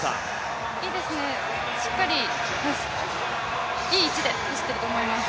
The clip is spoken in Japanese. いいですね、しっかりいい位置で走っていると思います。